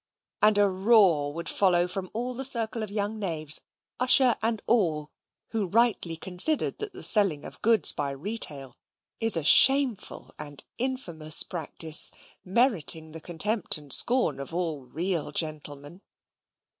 and a roar would follow from all the circle of young knaves, usher and all, who rightly considered that the selling of goods by retail is a shameful and infamous practice, meriting the contempt and scorn of all real gentlemen.